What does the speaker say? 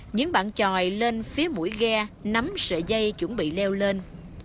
những bạn tròi lên phía mũi ghe nắm sợi dây chuẩn bị leo lên